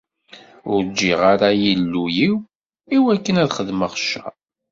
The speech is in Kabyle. Ur ǧǧiɣ ara Illu-iw iwakken ad xedmeɣ ccer.